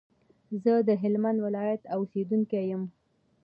زه دهلمند ولایت اوسیدونکی یم.